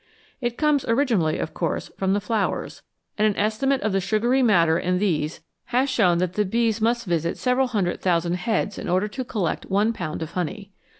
It comes originally, of course, from the flowers, and an estimate of the sugary matter in these has shown that the bees must visit several hundred thousand heads in order to collect one pound of honey.